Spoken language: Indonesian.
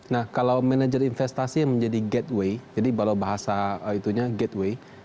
nah kalau manajer investasi yang menjadi gateway jadi kalau bahasa itunya gateway